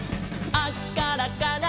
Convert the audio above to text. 「あっちからかな」